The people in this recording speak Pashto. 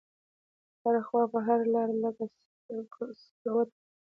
په هره خواپه هره لاره لکه سره سکروټه